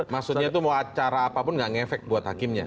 maksudnya itu mau acara apapun gak ngefek buat hakimnya